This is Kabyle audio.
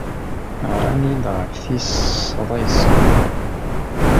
Ɣran-iyi-d ɣef tis sḍiset.